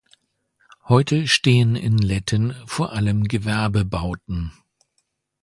Heute stehen in Letten vor allem Gewerbebauten.